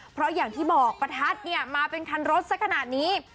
เพราะอย่างที่บอกประทัดเนี่ยมาเป็นคันรถสักขนาดนี้